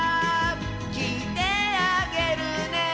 「きいてあげるね」